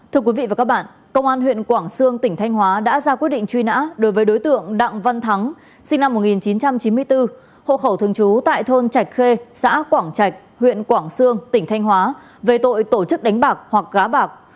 thưa quý vị và các bạn công an huyện quảng sương tỉnh thanh hóa đã ra quyết định truy nã đối với đối tượng đặng văn thắng sinh năm một nghìn chín trăm chín mươi bốn hộ khẩu thường trú tại thôn trạch khê xã quảng trạch huyện quảng sương tỉnh thanh hóa về tội tổ chức đánh bạc hoặc gá bạc